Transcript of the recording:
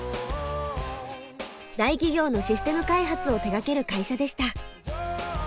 大企業のシステム開発を手がける会社でした。